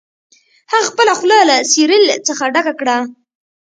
هغه خپله خوله له سیریل څخه ډکه کړه